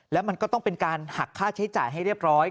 แล้วมันก็ต้องเป็นการหักค่าใช้จ่ายให้เรียบร้อย